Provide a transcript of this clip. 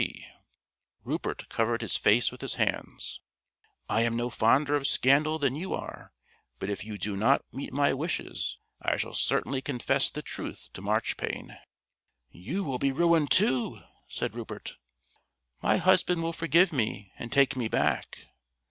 B.C." (Rupert covered his face with his hands.) "I am no fonder of scandal than you are, but if you do not meet my wishes I shall certainly confess the truth to Marchpane." "You will be ruined too!" said Rupert. "My husband will forgive me and take me back."